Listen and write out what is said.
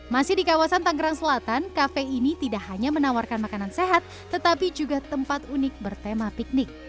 masih di kawasan tanggerang selatan kafe ini tidak hanya menawarkan makanan sehat tetapi juga tempat unik bertema piknik